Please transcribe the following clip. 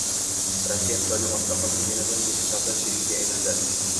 Rossiya Xitoyni ortda qoldirib, yana bir yirik savdo sherigiga aylandi